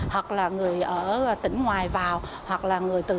hoặc là người ở tỉnh ngoài vào hoặc là người trở lại